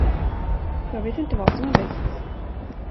Jag vet inte vad som är bäst.